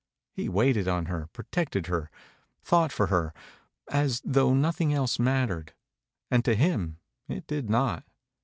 He waited on her, protected her, thought for her, as tho nothing else mattered; and to him, it did not.